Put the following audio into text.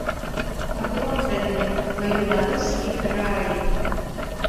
Паклон табе, мой беларускі краю!